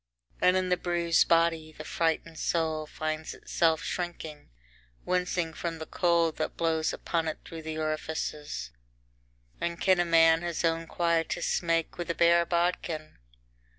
And in the bruised body, the frightened soul finds itself shrinking, wincing from the cold that blows upon it through the orifices. III And can a man his own quietus make with a bare bodkin?